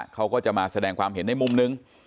เขาก็จะมาแสดงความเห็นในมุมนึง